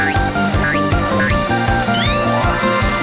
รอดรอดรอดรอดรอด